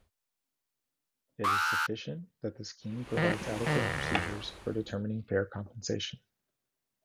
It is sufficient that the scheme provides adequate procedures for determining fair compensation.